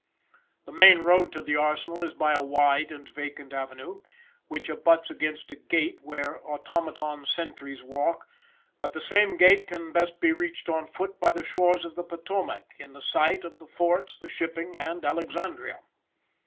The main road to the arsenal is by a wide and vacant avenue, which abuts against a gate where automaton sentries walk, but the same gate can best be reached on foot by the shores of the Potomac, in the sight, of the forts, the shipping, and Alexandria.